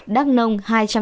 đắk nông hai trăm năm mươi ba